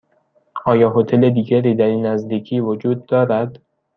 آیا هتل دیگری در این نزدیکی وجود دارد؟